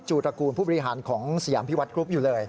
ตระกูลผู้บริหารของสยามพิวัตกรุ๊ปอยู่เลย